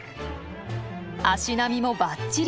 足並みもバッチリ。